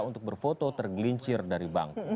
untuk berfoto tergelincir dari bangku